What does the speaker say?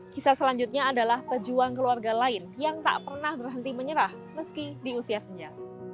kisah selanjutnya adalah perjuang keluarga lain yang tak pernah berhenti menyerah meski diusia senja